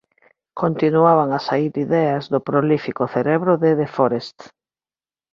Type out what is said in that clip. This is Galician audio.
Continuaban a saír ideas do prolífico cerebro de De Forest.